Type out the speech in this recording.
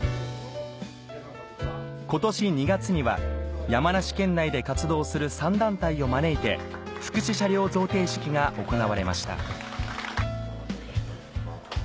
今年２月には山梨県内で活動する３団体を招いて福祉車両贈呈式が行われました